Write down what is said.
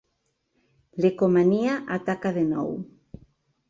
L'Ecomania ataca de nou.